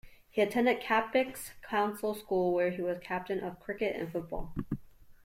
He attended Kippax Council School, where he was captain of cricket and football.